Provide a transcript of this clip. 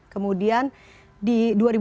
kemudian di dua ribu enam belas